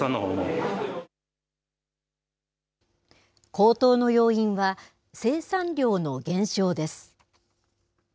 高騰の要因は、生産量の減少です。